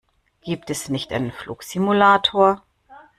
Gibt es nicht einen Flugsimulator?